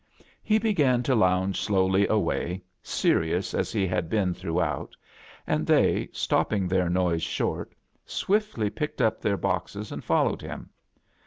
He b^an to lounge slowly away, serious" as he had been throughout, and they, stop ping their noise short, swiftly picked up their boxes and fc^owed him.